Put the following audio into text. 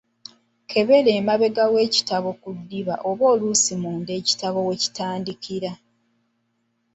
Kebera emabega w'ekitabo ku ddiba oba oluusi munda ekitabo weekitandikira.